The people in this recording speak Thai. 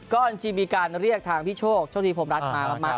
ก็จริงมีการเรียกทางพี่โชคโชคดีพรมรัฐมา